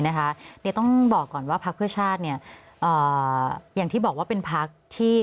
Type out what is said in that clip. นะคะเดี๋ยวต้องบอกก่อนว่าพรรคเครือชาติเนี่ยอย่างที่บอกว่าเป็นพรรคที่